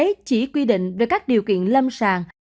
bộ y tế chỉ quy định được các điều kiện lâm sàng